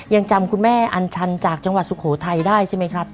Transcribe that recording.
ยังจำคุณแม่อัญชันจากจังหวัดสุโขทัยได้ใช่ไหมครับ